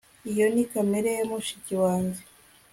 iyo ni kamera ya mushiki wanjye